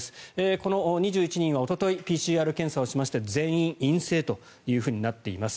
この２１人はおとといＰＣＲ検査をしまして全員、陰性となっています。